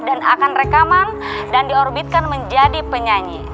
dan akan rekaman dan diorbitkan menjadi penyanyi